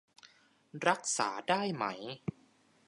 รักษาได้ไหม